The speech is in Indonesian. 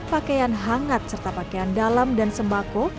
pakaian hangat serta pakaian dalam dan sembako